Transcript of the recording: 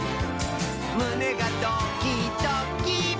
むねがドキドキ！」